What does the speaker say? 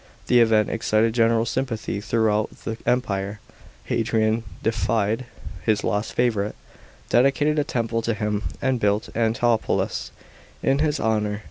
The event excited general sympathy throughout the Empire. Hadrian deified his lost favourite, dedicated a temple to him, and built Antinoopolis in his honour.